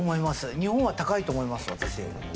日本は高いと思います私。